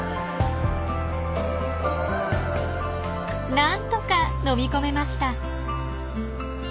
なんとか飲み込めました！